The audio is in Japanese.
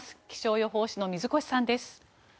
気象予報士の水越さんです。